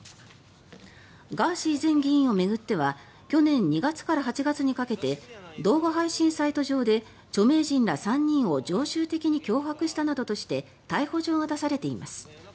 ガーシー前議員を巡っては去年２月から８月にかけて動画配信サイト上で著名人ら３人を常習的に脅迫したなどとして逮捕状が出されています。